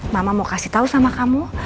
mama mau kasih tahu sama kamu